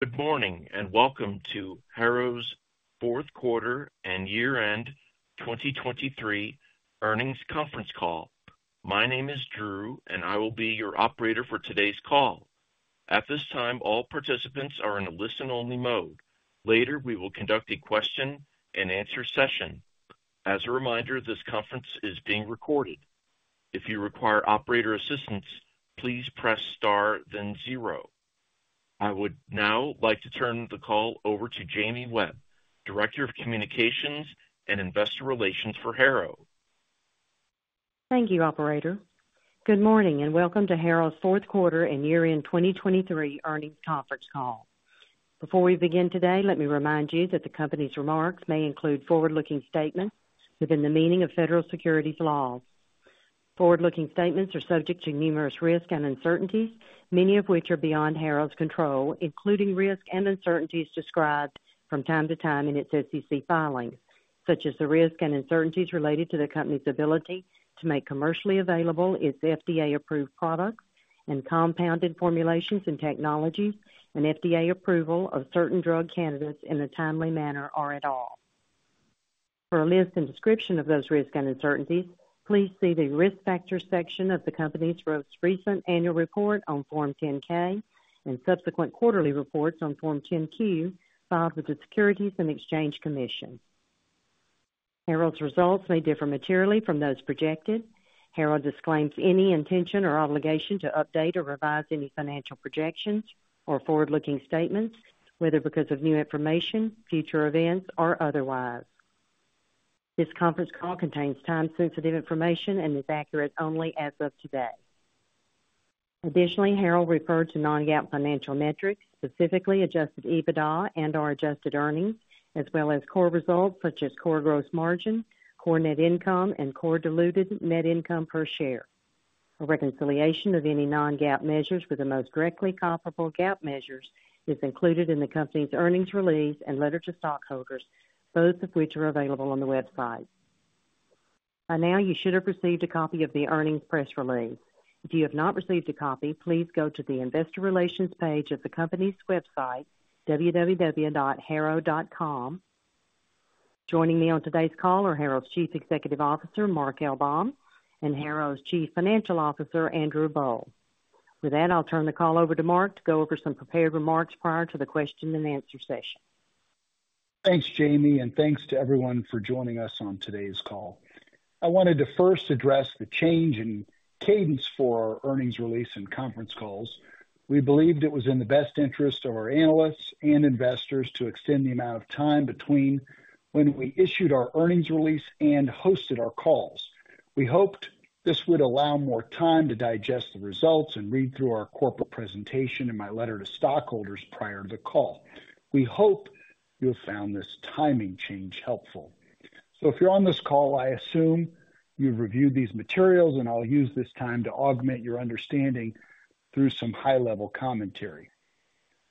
Good morning, and welcome to Harrow's fourth quarter and year-end 2023 earnings conference call. My name is Drew, and I will be your operator for today's call. At this time, all participants are in a listen-only mode. Later, we will conduct a question-and-answer session. As a reminder, this conference is being recorded. If you require operator assistance, please press star then zero. I would now like to turn the call over to Jamie Webb, Director of Communications and Investor Relations for Harrow. Thank you, operator. Good morning, and welcome to Harrow's fourth quarter and year-end 2023 earnings conference call. Before we begin today, let me remind you that the company's remarks may include forward-looking statements within the meaning of federal securities laws. Forward-looking statements are subject to numerous risks and uncertainties, many of which are beyond Harrow's control, including risks and uncertainties described from time to time in its SEC filings, such as the risks and uncertainties related to the company's ability to make commercially available its FDA-approved products and compounded formulations and technologies, and FDA approval of certain drug candidates in a timely manner or at all. For a list and description of those risks and uncertainties, please see the Risk Factors section of the company's most recent annual report on Form 10-K and subsequent quarterly reports on Form 10-Q, filed with the Securities and Exchange Commission. Harrow's results may differ materially from those projected. Harrow disclaims any intention or obligation to update or revise any financial projections or forward-looking statements, whether because of new information, future events, or otherwise. This conference call contains time-sensitive information and is accurate only as of today. Additionally, Harrow referred to non-GAAP financial metrics, specifically Adjusted EBITDA and/or Adjusted earnings, as well as core results such as Core gross margin, Core net income, and Core diluted net income per share. A reconciliation of any non-GAAP measures with the most directly comparable GAAP measures is included in the company's earnings release and letter to stockholders, both of which are available on the website. By now, you should have received a copy of the earnings press release. If you have not received a copy, please go to the investor relations page of the company's website, www.harrow.com. Joining me on today's call are Harrow's Chief Executive Officer, Mark L. Baum, and Harrow's Chief Financial Officer, Andrew Boll. With that, I'll turn the call over to Mark to go over some prepared remarks prior to the question-and-answer session. Thanks, Jamie, and thanks to everyone for joining us on today's call. I wanted to first address the change in cadence for our earnings release and conference calls. We believed it was in the best interest of our analysts and investors to extend the amount of time between when we issued our earnings release and hosted our calls. We hoped this would allow more time to digest the results and read through our corporate presentation and my letter to stockholders prior to the call. We hope you have found this timing change helpful. So if you're on this call, I assume you've reviewed these materials, and I'll use this time to augment your understanding through some high-level commentary.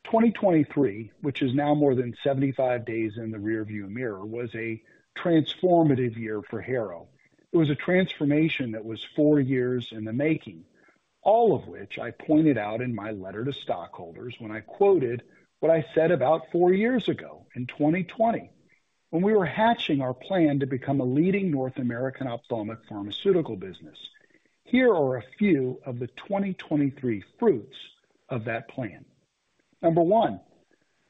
2023, which is now more than 75 days in the rearview mirror, was a transformative year for Harrow. It was a transformation that was 4 years in the making, all of which I pointed out in my letter to stockholders when I quoted what I said about 4 years ago, in 2020, when we were hatching our plan to become a leading North American ophthalmic pharmaceutical business. Here are a few of the 2023 fruits of that plan. Number one,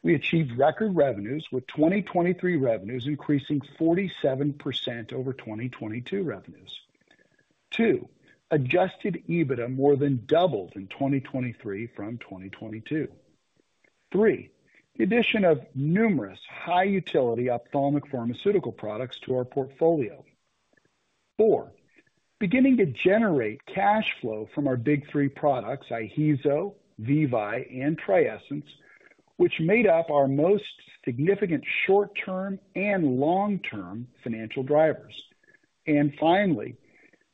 we achieved record revenues, with 2023 revenues increasing 47% over 2022 revenues. Two, adjusted EBITDA more than doubled in 2023 from 2022. Three, the addition of numerous high-utility ophthalmic pharmaceutical products to our portfolio. Four, beginning to generate cash flow from our big three products, IHEEZO, VEVYE, and TRIESENCE, which made up our most significant short-term and long-term financial drivers. Finally,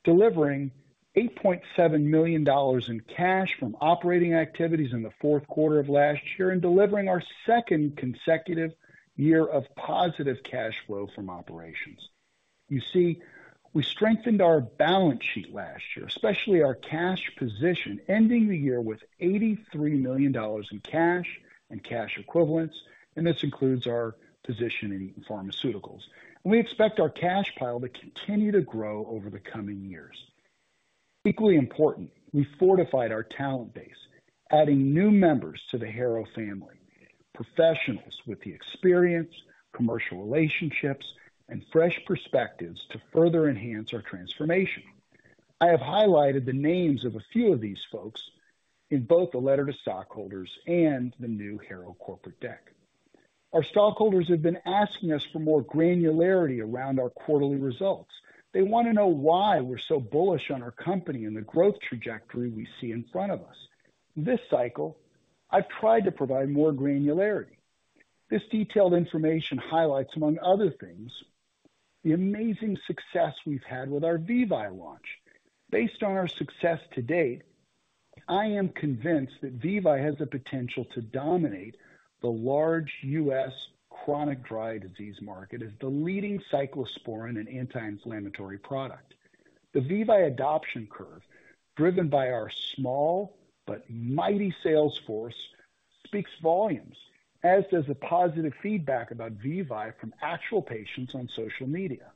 delivering $8.7 million in cash from operating activities in the fourth quarter of last year and delivering our second consecutive year of positive cash flow from operations. You see, we strengthened our balance sheet last year, especially our cash position, ending the year with $83 million in cash and cash equivalents, and this includes our position in pharmaceuticals. We expect our cash pile to continue to grow over the coming years. Equally important, we fortified our talent base, adding new members to the Harrow family, professionals with the experience, commercial relationships, and fresh perspectives to further enhance our transformation. I have highlighted the names of a few of these folks in both the letter to stockholders and the new Harrow corporate deck. Our stockholders have been asking us for more granularity around our quarterly results. They want to know why we're so bullish on our company and the growth trajectory we see in front of us. This cycle, I've tried to provide more granularity. This detailed information highlights, among other things, the amazing success we've had with our VEVYE launch. Based on our success to date, I am convinced that VEVYE has the potential to dominate the large U.S. chronic dry eye disease market as the leading cyclosporine and anti-inflammatory product. The VEVYE adoption curve, driven by our small but mighty sales force, speaks volumes, as does the positive feedback about VEVYE from actual patients on social media.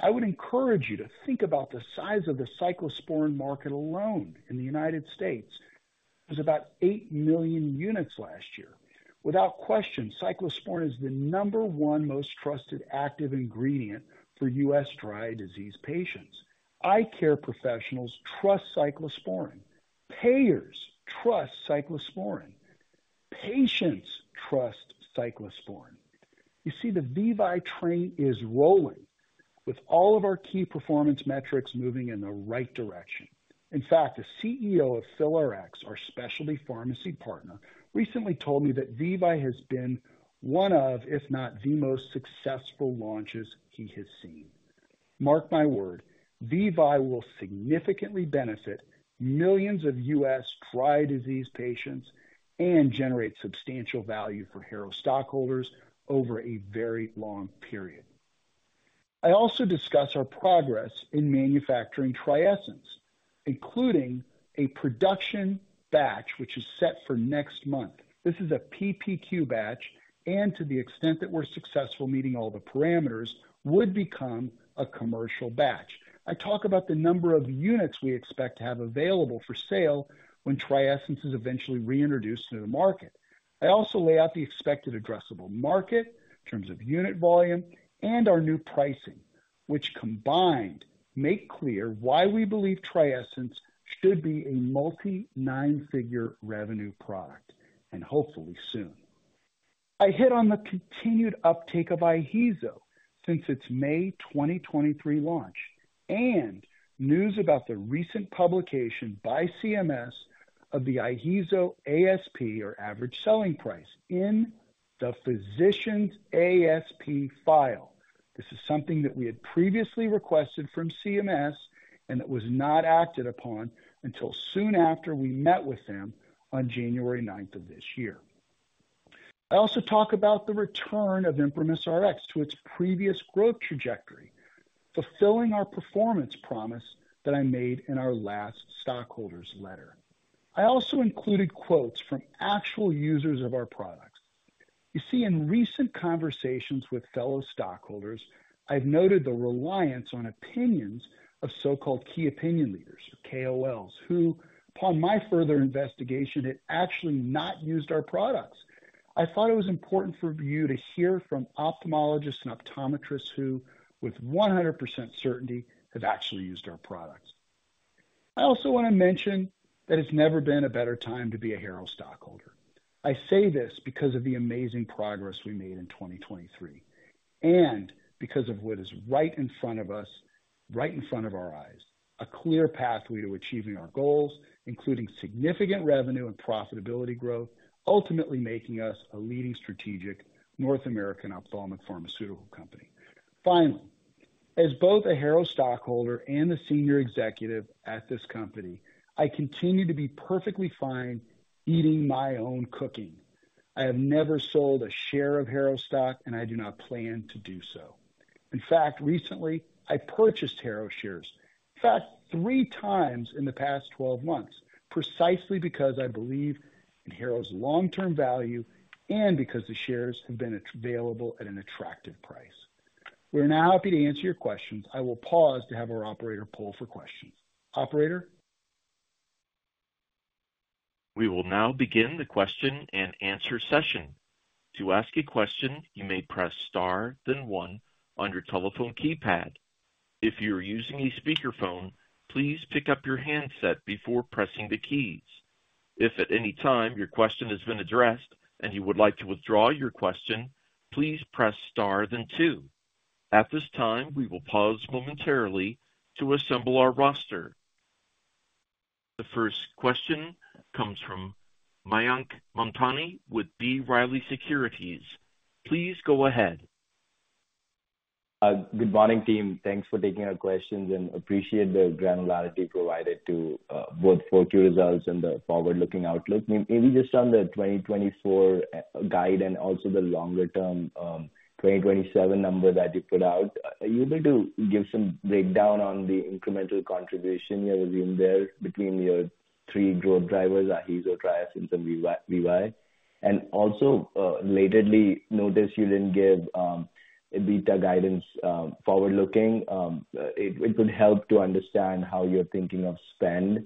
I would encourage you to think about the size of the cyclosporine market alone in the United States. It was about 8 million units last year. Without question, cyclosporine is the number one most trusted active ingredient for U.S. dry eye disease patients. Eye care professionals trust cyclosporine. Payers trust cyclosporine. Patients trust cyclosporine. You see, the VEVYE train is rolling, with all of our key performance metrics moving in the right direction. In fact, the CEO of PhilRx, our specialty pharmacy partner, recently told me that VEVYE has been one of, if not the most successful launches he has seen. Mark my word, VEVYE will significantly benefit millions of U.S. dry eye disease patients and generate substantial value for Harrow stockholders over a very long period. I also discuss our progress in manufacturing TRIESENCE, including a production batch, which is set for next month. This is a PPQ batch, and to the extent that we're successful, meeting all the parameters would become a commercial batch. I talk about the number of units we expect to have available for sale when TRIESENCE is eventually reintroduced to the market. I also lay out the expected addressable market in terms of unit volume and our new pricing, which combined, make clear why we believe TRIESENCE should be a multi-nine-figure revenue product, and hopefully soon. I hit on the continued uptake of IHEEZO since its May 2023 launch, and news about the recent publication by CMS of the IHEEZO ASP, or average selling price, in the physicians' ASP file. This is something that we had previously requested from CMS and that was not acted upon until soon after we met with them on January ninth of this year. I also talk about the return of ImprimisRx to its previous growth trajectory, fulfilling our performance promise that I made in our last stockholders letter. I also included quotes from actual users of our products. You see, in recent conversations with fellow stockholders, I've noted the reliance on opinions of so-called key opinion leaders, KOLs, who, upon my further investigation, had actually not used our products. I thought it was important for you to hear from ophthalmologists and optometrists who, with 100% certainty, have actually used our products. I also want to mention that it's never been a better time to be a Harrow stockholder. I say this because of the amazing progress we made in 2023 and because of what is right in front of us, right in front of our eyes, a clear pathway to achieving our goals, including significant revenue and profitability growth, ultimately making us a leading strategic North American ophthalmic pharmaceutical company. Finally, as both a Harrow stockholder and a senior executive at this company, I continue to be perfectly fine eating my own cooking. I have never sold a share of Harrow stock, and I do not plan to do so. In fact, recently, I purchased Harrow shares. In fact, 3 times in the past 12 months, precisely because I believe in Harrow's long-term value and because the shares have been available at an attractive price. We're now happy to answer your questions. I will pause to have our operator poll for questions. Operator? We will now begin the question-and-answer session. To ask a question, you may press star then one on your telephone keypad. If you are using a speakerphone, please pick up your handset before pressing the keys. If at any time your question has been addressed and you would like to withdraw your question, please press star then two. At this time, we will pause momentarily to assemble our roster. The first question comes from Mayank Mamtani with B. Riley Securities. Please go ahead. Good morning, team. Thanks for taking our questions, and appreciate the granularity provided to both fourth quarter results and the forward-looking outlook. Maybe just on the 2024 guide and also the longer-term 2027 number that you put out, are you able to give some breakdown on the incremental contribution within there between your three growth drivers, IHEEZO, TRIESENCE, and VEVYE? And also, relatedly, notice you didn't give EBITDA guidance forward-looking. It would help to understand how you're thinking of spend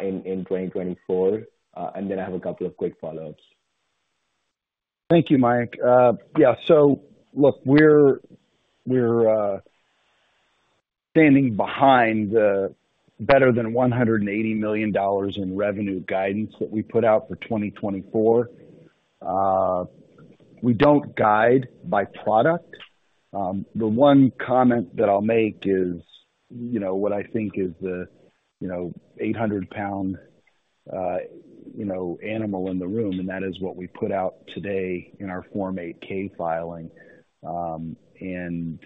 in 2024. And then I have a couple of quick follow-ups. Thank you, Mayank. Yeah, so look, we're, we're, standing behind the better than $180 million in revenue guidance that we put out for 2024. We don't guide by product. The one comment that I'll make is, you know, what I think is the, you know, 800 lb, you know, animal in the room, and that is what we put out today in our Form 8-K filing. And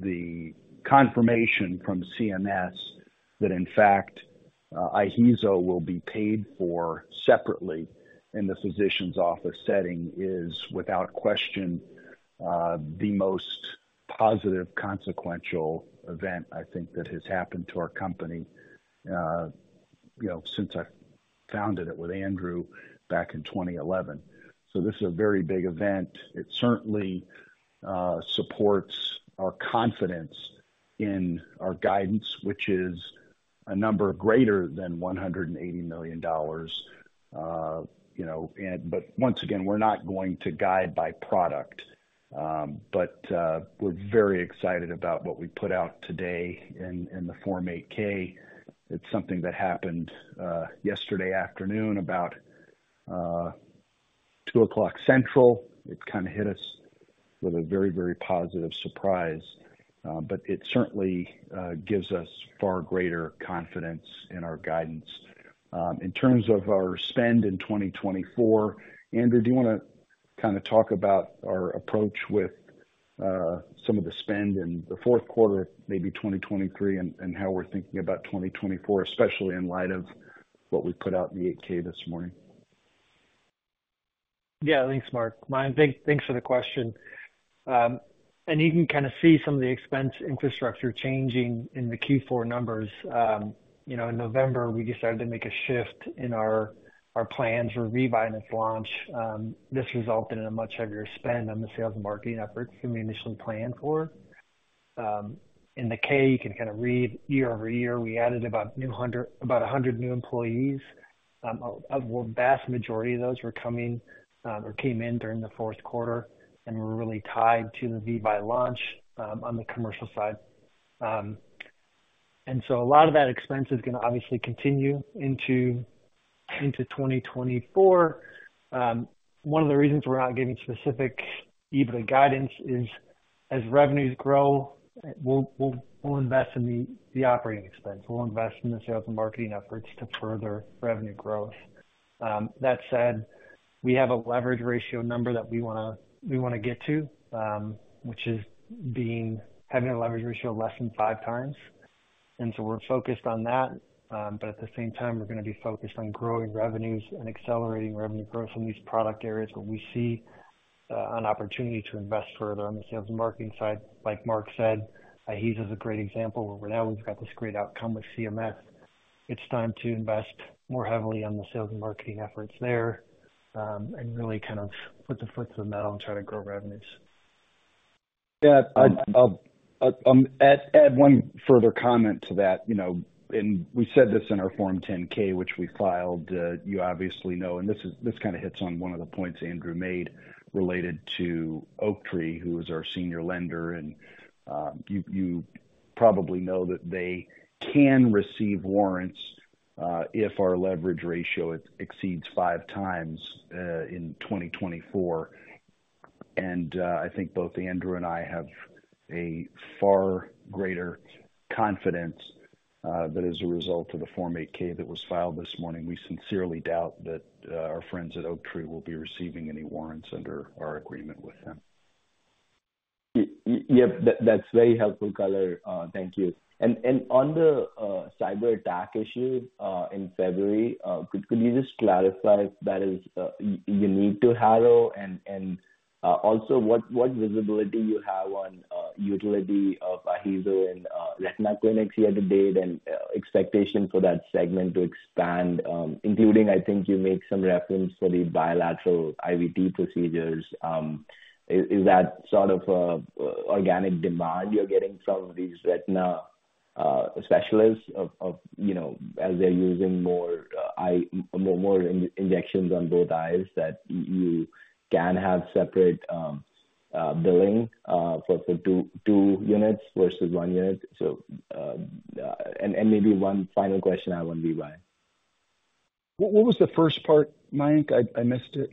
the confirmation from CMS that, in fact-... IHEEZO will be paid for separately in the physician's office setting is, without question, the most positive consequential event I think that has happened to our company, you know, since I founded it with Andrew back in 2011. So this is a very big event. It certainly supports our confidence in our guidance, which is a number greater than $180 million. You know, and but once again, we're not going to guide by product. But, we're very excited about what we put out today in the Form 8-K. It's something that happened yesterday afternoon about 2:00 Central. It kind of hit us with a very, very positive surprise. But it certainly gives us far greater confidence in our guidance. In terms of our spend in 2024, Andrew, do you want to kind of talk about our approach with some of the spend in the fourth quarter, maybe 2023, and how we're thinking about 2024, especially in light of what we put out in the 8-K this morning? Yeah, thanks, Mark. Mayank, thanks for the question. And you can kind of see some of the expense infrastructure changing in the Q4 numbers. You know, in November, we decided to make a shift in our plans for VEVYE launch. This resulted in a much heavier spend on the sales and marketing efforts than we initially planned for. In the 10-K, you can kind of read year-over-year, we added about 100 new employees. A vast majority of those were coming or came in during the fourth quarter and were really tied to the VEVYE launch on the commercial side. And so a lot of that expense is going to obviously continue into 2024. One of the reasons we're not giving specific EBITDA guidance is as revenues grow, we'll invest in the operating expense. We'll invest in the sales and marketing efforts to further revenue growth. That said, we have a leverage ratio number that we wanna get to, which is having a leverage ratio of less than 5x, and so we're focused on that. But at the same time, we're gonna be focused on growing revenues and accelerating revenue growth in these product areas where we see an opportunity to invest further on the sales and marketing side. Like Mark said, IHEEZO is a great example of where now we've got this great outcome with CMS. It's time to invest more heavily on the sales and marketing efforts there, and really kind of put the foot to the metal and try to grow revenues. Yeah, I'd add one further comment to that, you know, and we said this in our Form 10-K, which we filed, you obviously know, and this is this kind of hits on one of the points Andrew made related to Oaktree, who is our senior lender, and, you probably know that they can receive warrants, if our leverage ratio exceeds 5x, in 2024. And, I think both Andrew and I have a far greater confidence, that as a result of the Form 8-K that was filed this morning, we sincerely doubt that, our friends at Oaktree will be receiving any warrants under our agreement with them. Yep, that's very helpful color. Thank you. And on the cyberattack issue in February, could you just clarify if that is unique to Harrow? And also, what visibility you have on utility of IHEEZO in retina clinics year to date and expectation for that segment to expand? Including, I think you made some reference to the bilateral IVT procedures. Is that sort of organic demand you're getting from these retina specialists, you know, as they're using more eye injections on both eyes, that you can have separate billing for two units versus one unit? So, and maybe one final question on VEVYE. What was the first part, Mayank? I missed it.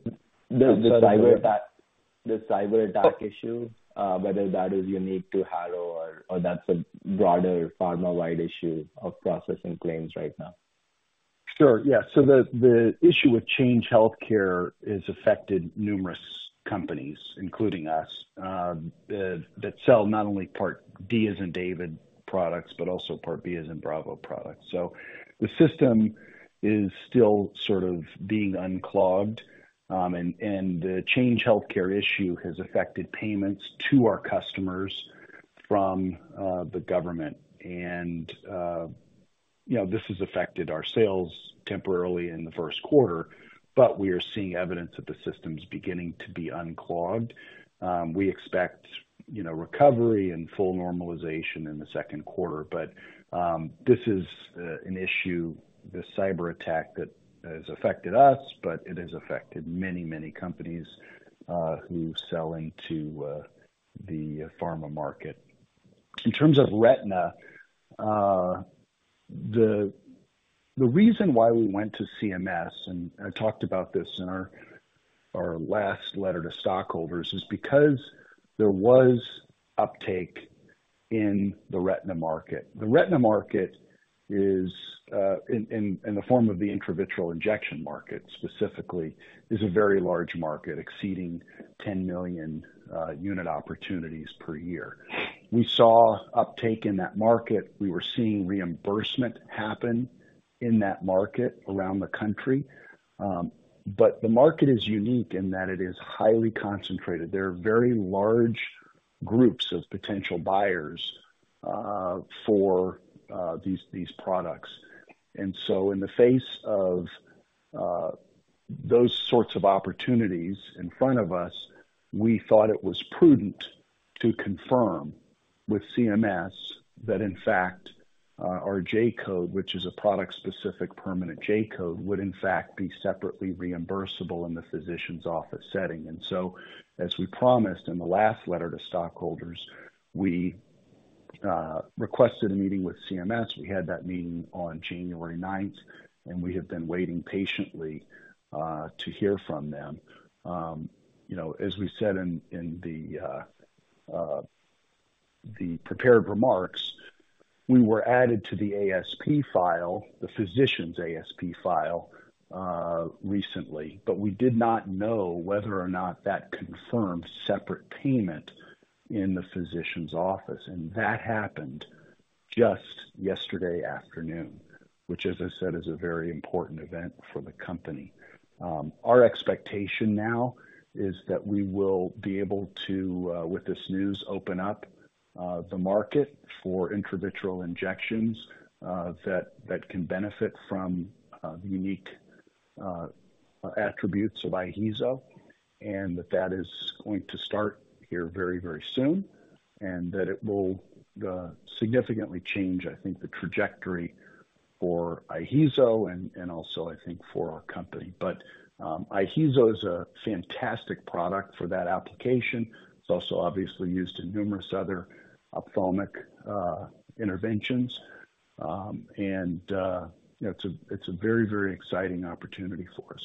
The cyberattack issue, whether that is unique to Harrow or that's a broader pharma-wide issue of processing claims right now. Sure. Yeah. So the issue with Change Healthcare has affected numerous companies, including us, that sell not only Part D, as in David, products, but also Part B, as in Bravo products. So the system is still sort of being unclogged, and the Change Healthcare issue has affected payments to our customers from the government. And you know, this has affected our sales temporarily in the first quarter, but we are seeing evidence that the system's beginning to be unclogged. We expect, you know, recovery and full normalization in the second quarter, but this is an issue, the cyberattack that has affected us, but it has affected many, many companies who sell into the pharma market. In terms of retina, the reason why we went to CMS, and I talked about this in our last letter to stockholders, is because there was uptake in the retina market. The retina market is in the form of the intravitreal injection market, specifically, is a very large market, exceeding 10 million unit opportunities per year. We saw uptake in that market. We were seeing reimbursement happen in that market around the country. But the market is unique in that it is highly concentrated. There are very large groups of potential buyers for these products. And so in the face of those sorts of opportunities in front of us, we thought it was prudent to confirm with CMS that, in fact, our J-code, which is a product-specific permanent J-code, would in fact be separately reimbursable in the physician's office setting. And so, as we promised in the last letter to stockholders, we requested a meeting with CMS. We had that meeting on January 9th, and we have been waiting patiently to hear from them. You know, as we said in the prepared remarks, we were added to the ASP file, the physicians' ASP file, recently, but we did not know whether or not that confirmed separate payment in the physician's office. And that happened just yesterday afternoon, which, as I said, is a very important event for the company. Our expectation now is that we will be able to, with this news, open up the market for intravitreal injections that can benefit from the unique attributes of IHEEZO, and that is going to start here very, very soon, and that it will significantly change, I think, the trajectory for IHEEZO and also, I think, for our company. But IHEEZO is a fantastic product for that application. It's also obviously used in numerous other ophthalmic interventions. And you know, it's a very, very exciting opportunity for us.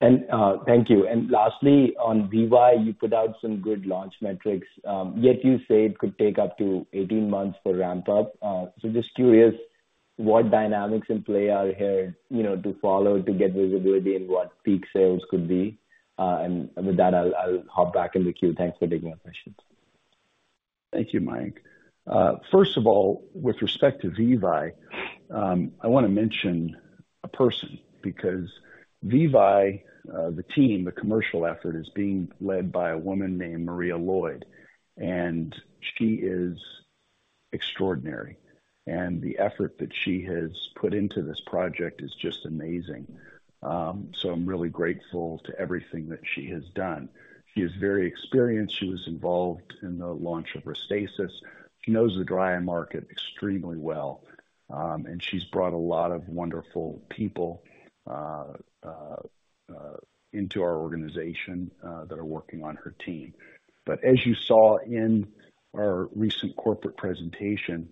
And thank you. And lastly, on VEVYE, you put out some good launch metrics, yet you say it could take up to 18 months for ramp up. So just curious, what dynamics in play are here, you know, to follow to get visibility and what peak sales could be? And with that, I'll, I'll hop back in the queue. Thanks for taking my questions. Thank you, Mayank. First of all, with respect to VEVYE, I want to mention a person, because VEVYE, the team, the commercial effort, is being led by a woman named Maria Lloyd, and she is extraordinary. The effort that she has put into this project is just amazing. So I'm really grateful to everything that she has done. She is very experienced. She was involved in the launch of Restasis. She knows the dry eye market extremely well, and she's brought a lot of wonderful people into our organization that are working on her team. But as you saw in our recent corporate presentation,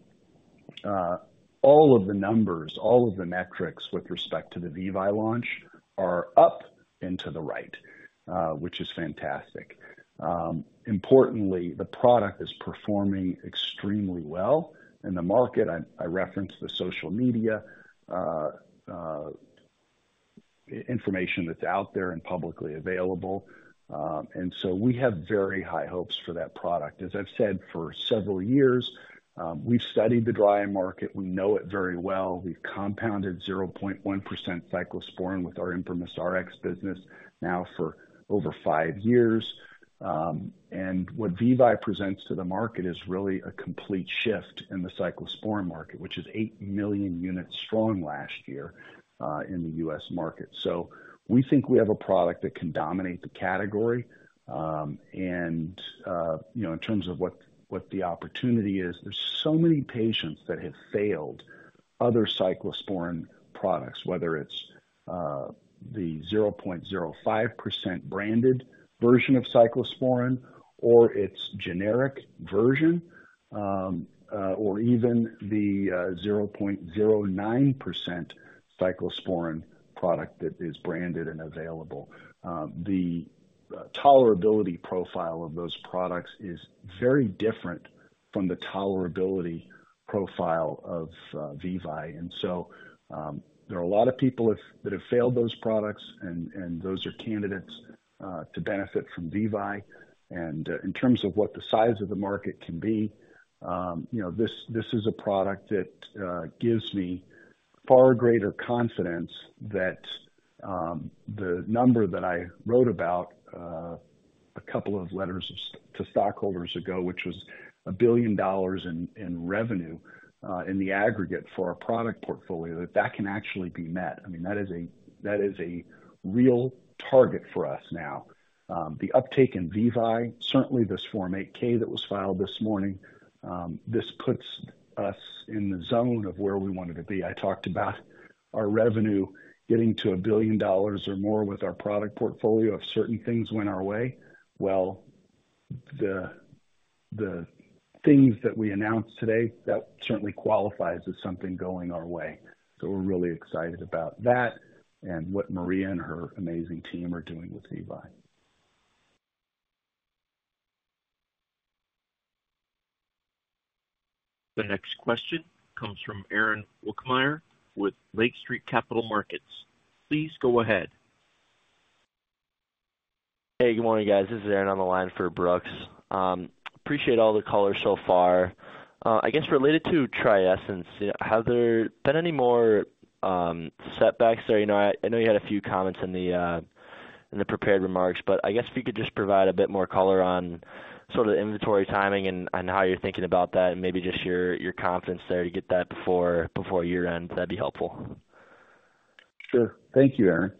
all of the numbers, all of the metrics with respect to the VEVYE launch are up and to the right, which is fantastic. Importantly, the product is performing extremely well in the market. I referenced the social media information that's out there and publicly available. And so we have very high hopes for that product. As I've said for several years, we've studied the dry eye market. We know it very well. We've compounded 0.1% cyclosporine with our ImprimisRx business now for over five years. And what VEVYE presents to the market is really a complete shift in the cyclosporine market, which is 8 million units strong last year in the U.S. market. So we think we have a product that can dominate the category. And, you know, in terms of what the opportunity is, there's so many patients that have failed other cyclosporine products, whether it's the 0.05% branded version of cyclosporine, or its generic version, or even the 0.09% cyclosporine product that is branded and available. The tolerability profile of those products is very different from the tolerability profile of VEVYE. And so, there are a lot of people that have failed those products, and those are candidates to benefit from VEVYE. In terms of what the size of the market can be, you know, this, this is a product that gives me far greater confidence that the number that I wrote about a couple of letters to stockholders ago, which was $1 billion in revenue in the aggregate for our product portfolio, that that can actually be met. I mean, that is a, that is a real target for us now. The uptake in VEVYE, certainly this Form 8-K that was filed this morning, this puts us in the zone of where we wanted to be. I talked about our revenue getting to $1 billion or more with our product portfolio if certain things went our way. Well, the, the things that we announced today, that certainly qualifies as something going our way. So we're really excited about that and what Maria and her amazing team are doing with VEVYE. The next question comes from Aaron Wukmir with Lake Street Capital Markets. Please go ahead. Hey, good morning, guys. This is Aaron on the line for Brooks. Appreciate all the color so far. I guess related to TRIESENCE, have there been any more setbacks there? You know, I know you had a few comments in the prepared remarks, but I guess if you could just provide a bit more color on sort of the inventory timing and how you're thinking about that, and maybe just your confidence there to get that before year end, that'd be helpful. Sure. Thank you, Aaron.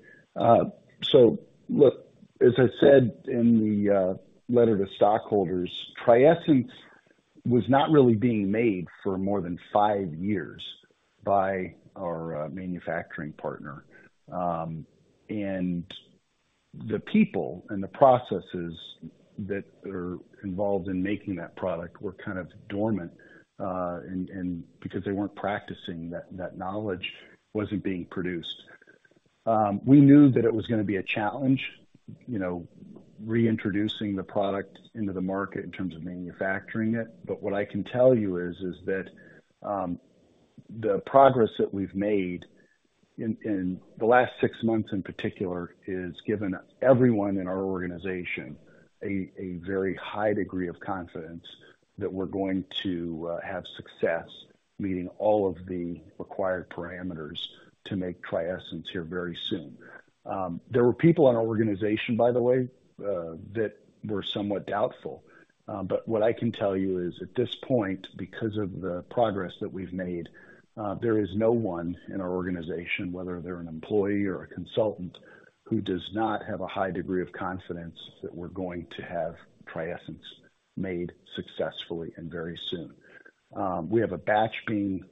So look, as I said in the letter to stockholders, TRIESENCE was not really being made for more than five years by our manufacturing partner. And the people and the processes that are involved in making that product were kind of dormant, and because they weren't practicing, that knowledge wasn't being produced. We knew that it was gonna be a challenge, you know, reintroducing the product into the market in terms of manufacturing it. But what I can tell you is that the progress that we've made in the last six months in particular is given everyone in our organization a very high degree of confidence that we're going to have success meeting all of the required parameters to make TRIESENCE here very soon. There were people in our organization, by the way, that were somewhat doubtful. But what I can tell you is, at this point, because of the progress that we've made, there is no one in our organization, whether they're an employee or a consultant, who does not have a high degree of confidence that we're going to have TRIESENCE made successfully and very soon. We have a batch being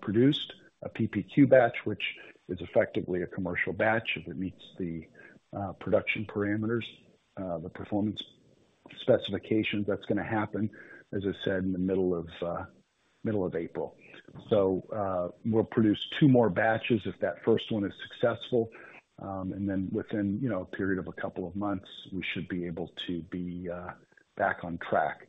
produced, a PPQ batch, which is effectively a commercial batch, if it meets the production parameters, the performance specifications. That's gonna happen, as I said, in the middle of middle of April. So, we'll produce two more batches if that first one is successful, and then within, you know, a period of a couple of months, we should be able to be back on track.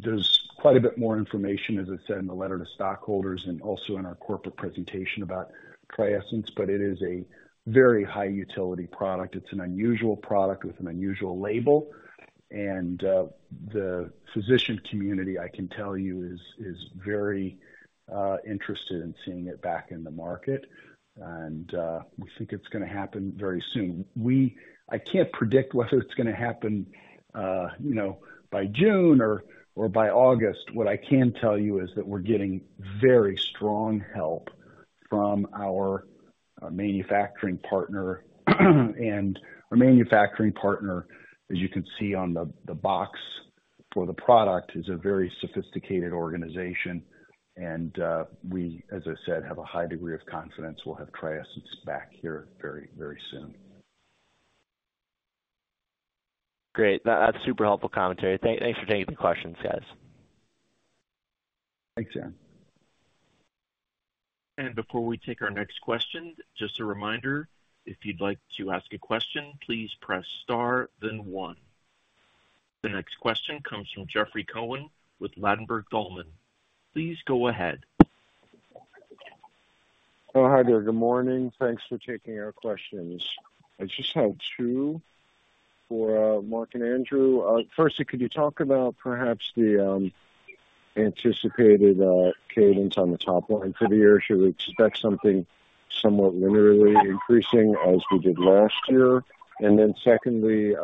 There's quite a bit more information, as I said, in the letter to stockholders and also in our corporate presentation about TRIESENCE, but it is a very high utility product. It's an unusual product with an unusual label, and the physician community, I can tell you, is very interested in seeing it back in the market. We think it's gonna happen very soon. I can't predict whether it's gonna happen, you know, by June or by August. What I can tell you is that we're getting very strong help from our manufacturing partner, and our manufacturing partner, as you can see on the box for the product, is a very sophisticated organization and we, as I said, have a high degree of confidence we'll have TRIESENCE back here very, very soon. Great. That's super helpful commentary. Thanks for taking the questions, guys. Thanks, Aaron. Before we take our next question, just a reminder, if you'd like to ask a question, please press star then one. The next question comes from Jeffrey Cohen with Ladenburg Thalmann. Please go ahead. Oh, hi there. Good morning. Thanks for taking our questions. I just have two for Mark and Andrew. Firstly, could you talk about perhaps the anticipated cadence on the top line for the year? Should we expect something somewhat linearly increasing as we did last year? And then secondly,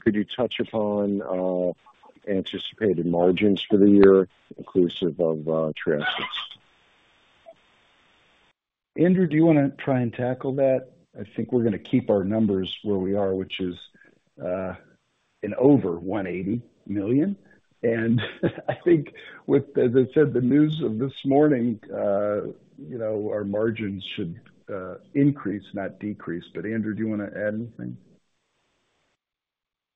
could you touch upon anticipated margins for the year, inclusive of TRIESENCE? Andrew, do you want to try and tackle that? I think we're gonna keep our numbers where we are, which is in over $180 million. And I think with, as I said, the news of this morning, you know, our margins should increase, not decrease. But Andrew, do you want to add anything?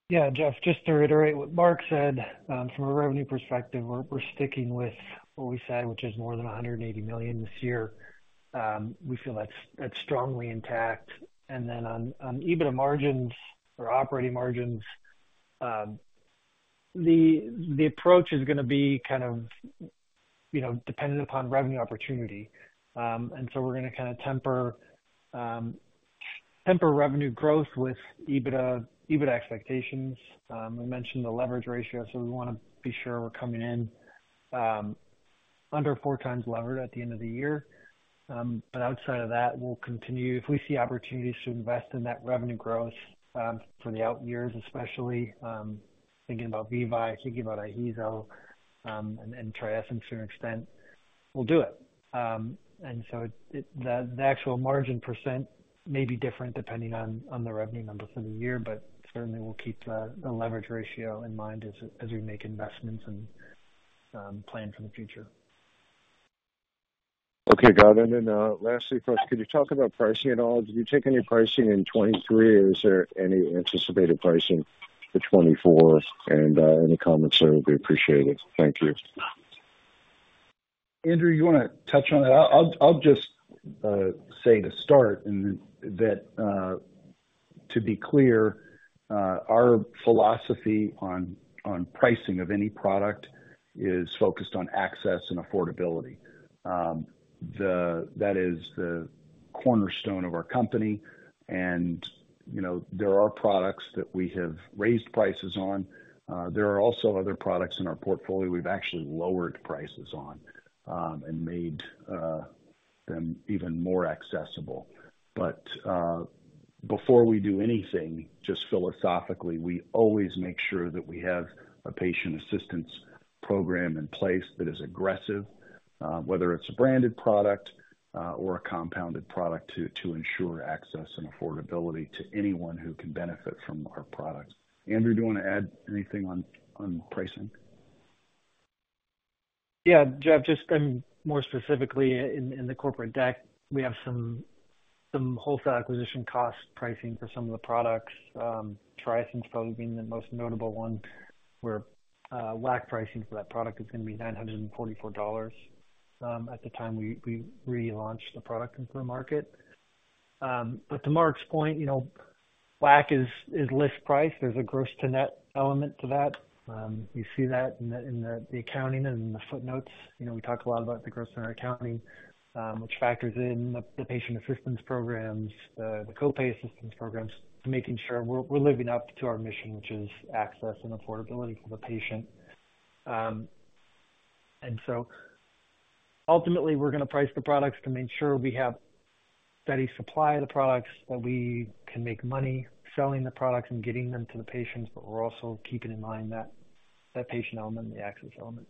Yeah, Jeff, just to reiterate what Mark said, from a revenue perspective, we're sticking with what we said, which is more than $180 million this year. We feel that's strongly intact. And then on EBITDA margins or operating margins, the approach is gonna be kind of, you know, dependent upon revenue opportunity. And so we're gonna kinda temper revenue growth with EBITDA expectations. We mentioned the leverage ratio, so we wanna be sure we're coming in under 4x levered at the end of the year. But outside of that, we'll continue... If we see opportunities to invest in that revenue growth, for the out years, especially, thinking about VEVYE, thinking about IHEEZO, and TRIESENCE to an extent, we'll do it. And so the actual margin % may be different depending on the revenue numbers for the year, but certainly we'll keep the leverage ratio in mind as we make investments and plan for the future. Okay, got it. And then, lastly for us, could you talk about pricing at all? Did you take any pricing in 2023, or is there any anticipated pricing for 2024? And, any comments there will be appreciated. Thank you. Andrew, you want to touch on that? I'll just say to start and then... To be clear, our philosophy on pricing of any product is focused on access and affordability. That is the cornerstone of our company. And, you know, there are products that we have raised prices on. There are also other products in our portfolio we've actually lowered prices on, and made them even more accessible. But before we do anything, just philosophically, we always make sure that we have a patient assistance program in place that is aggressive, whether it's a branded product or a compounded product, to ensure access and affordability to anyone who can benefit from our products. Andrew, do you want to add anything on pricing? Yeah, Jeff, just more specifically, in the corporate deck, we have some wholesale acquisition cost pricing for some of the products. TRIESENCE probably being the most notable one, where WAC pricing for that product is going to be $944 at the time we relaunched the product into the market. But to Mark's point, you know, WAC is list price. There's a gross-to-net element to that. You see that in the accounting and the footnotes. You know, we talk a lot about the gross in our accounting, which factors in the patient assistance programs, the copay assistance programs, making sure we're living up to our mission, which is access and affordability for the patient. And so ultimately, we're going to price the products to make sure we have steady supply of the products, that we can make money selling the products and getting them to the patients, but we're also keeping in mind that patient element, the access element.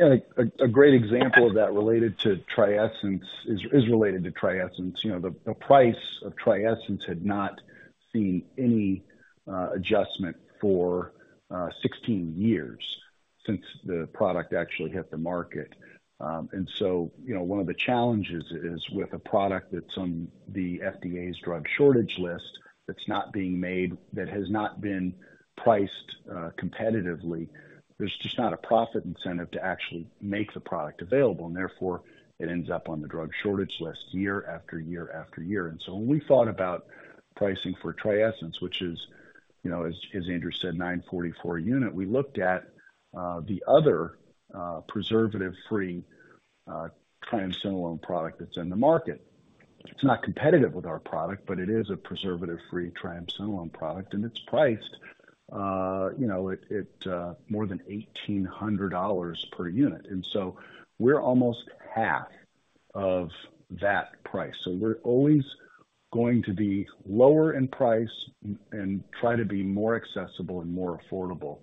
A great example of that related to TRIESENCE is related to TRIESENCE. You know, the price of TRIESENCE had not seen any adjustment for 16 years since the product actually hit the market. And so, you know, one of the challenges is with a product that's on the FDA's drug shortage list, that's not being made, that has not been priced competitively. There's just not a profit incentive to actually make the product available, and therefore, it ends up on the drug shortage list year after year after year. And so when we thought about pricing for TRIESENCE, which is, you know, as Andrew said, $944 a unit, we looked at the other preservative-free triamcinolone product that's in the market. It's not competitive with our product, but it is a preservative-free triamcinolone product, and it's priced, you know, at more than $1,800 per unit. And so we're almost half of that price. So we're always going to be lower in price and try to be more accessible and more affordable.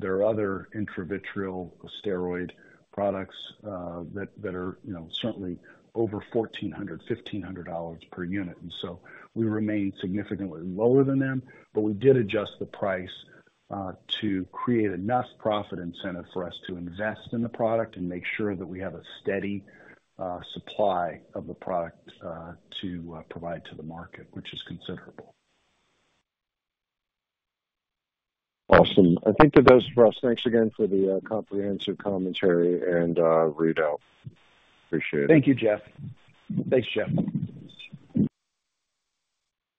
There are other intravitreal steroid products that are, you know, certainly over $1,400-$1,500 per unit. And so we remain significantly lower than them. But we did adjust the price to create enough profit incentive for us to invest in the product and make sure that we have a steady supply of the product to provide to the market, which is considerable. Awesome. I think that does it for us. Thanks again for the comprehensive commentary and readout. Appreciate it. Thank you, Jeff. Thanks, Jeff.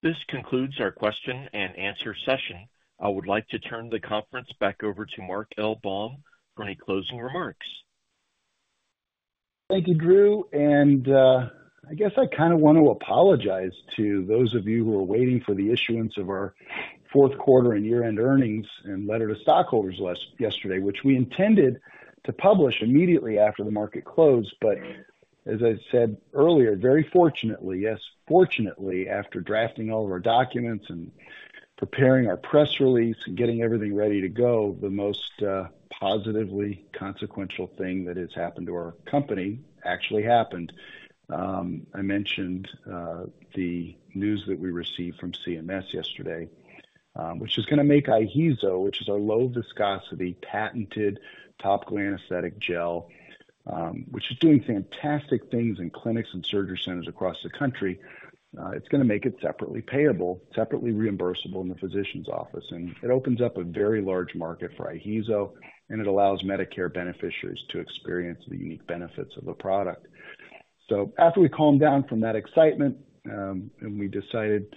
This concludes our question and answer session. I would like to turn the conference back over to Mark L. Baum for any closing remarks. Thank you, Drew, and, I guess I kind of want to apologize to those of you who are waiting for the issuance of our fourth quarter and year-end earnings and letter to stockholders last yesterday, which we intended to publish immediately after the market closed. But as I said earlier, very fortunately, yes, fortunately, after drafting all of our documents and preparing our press release and getting everything ready to go, the most, positively consequential thing that has happened to our company actually happened. I mentioned, the news that we received from CMS yesterday, which is going to make IHEEZO, which is our low viscosity, patented, topical anesthetic gel, which is doing fantastic things in clinics and surgery centers across the country. It's going to make it separately payable, separately reimbursable in the physician's office, and it opens up a very large market for IHEEZO, and it allows Medicare beneficiaries to experience the unique benefits of the product. So after we calmed down from that excitement, and we decided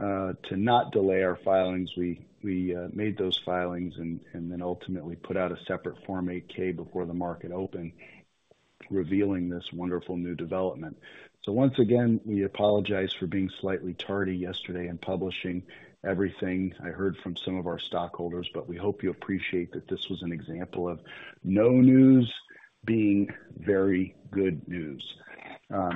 to not delay our filings, we made those filings and then ultimately put out a separate Form 8-K before the market opened, revealing this wonderful new development. So once again, we apologize for being slightly tardy yesterday in publishing everything. I heard from some of our stockholders, but we hope you appreciate that this was an example of no news being very good news.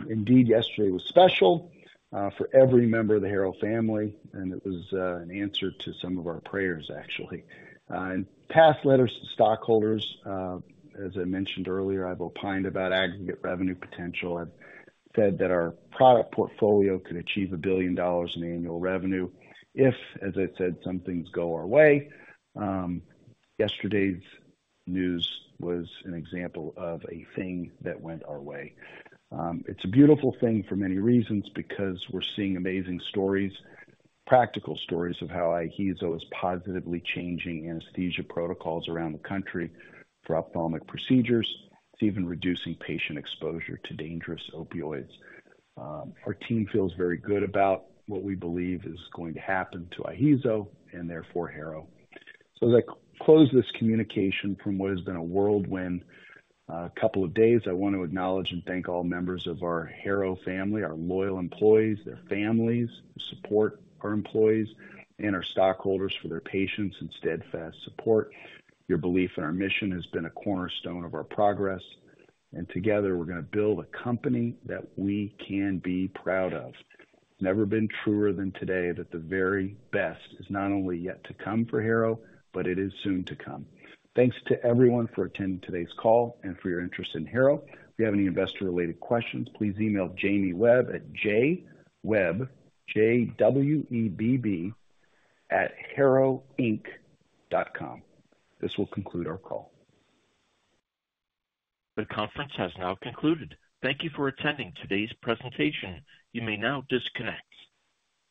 Indeed, yesterday was special for every member of the Harrow family, and it was an answer to some of our prayers, actually. In past letters to stockholders, as I mentioned earlier, I've opined about aggregate revenue potential. I've said that our product portfolio could achieve $1 billion in annual revenue if, as I said, some things go our way. Yesterday's news was an example of a thing that went our way. It's a beautiful thing for many reasons, because we're seeing amazing stories, practical stories of how IHEEZO is positively changing anesthesia protocols around the country for ophthalmic procedures. It's even reducing patient exposure to dangerous opioids. Our team feels very good about what we believe is going to happen to IHEEZO and therefore, Harrow. So as I close this communication from what has been a whirlwind couple of days, I want to acknowledge and thank all members of our Harrow family, our loyal employees, their families, who support our employees, and our stockholders for their patience and steadfast support. Your belief in our mission has been a cornerstone of our progress, and together, we're going to build a company that we can be proud of. Never been truer than today, that the very best is not only yet to come for Harrow, but it is soon to come. Thanks to everyone for attending today's call and for your interest in Harrow. If you have any investor-related questions, please email Jamie Webb at jwebb, J-W-E-B-B, @harrowinc.com. This will conclude our call. The conference has now concluded. Thank you for attending today's presentation. You may now disconnect.